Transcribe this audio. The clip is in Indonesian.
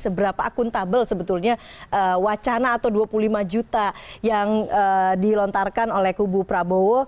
seberapa akuntabel sebetulnya wacana atau dua puluh lima juta yang dilontarkan oleh kubu prabowo